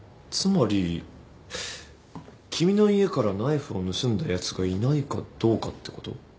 つまり君の家からナイフを盗んだやつがいないかどうかってこと？